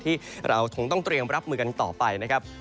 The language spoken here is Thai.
ที่เราคงต้องเตรียมรับมือกันต่อไปนะครับ